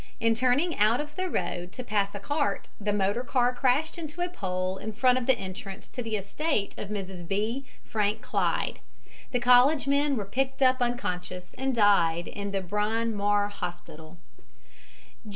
In turning out of the road to pass a cart the motor car crashed into a pole in front of the entrance to the estate of Mrs. B. Frank Clyde. The college men were picked up unconscious and died in the Bryn Mawr Hospital.